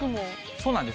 そうなんです。